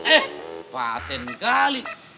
eh paten kali